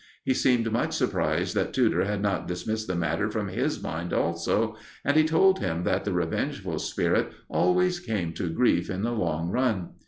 He seemed much surprised that Tudor had not dismissed the matter from his mind also, and he told him that the revengeful spirit always came to grief in the long run.